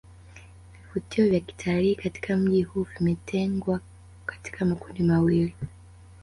vivutio vya kitalii katika mji huu vimetengwa katika makundi mawili